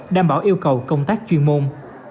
đảm bảo yêu cầu công tác chuyên môn